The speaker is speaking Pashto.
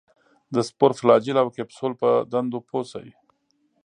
د سپور، فلاجیل او کپسول په دندو پوه شي.